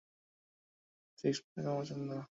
Six প্যাকও আমারও পছন্দ না।